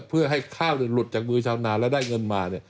เพื่อให้ข้าวหลุดจากมือชาวนาและได้เงินมา